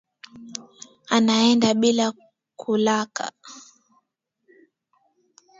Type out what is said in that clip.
Anaenda bila kulaka